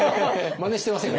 まねしてません。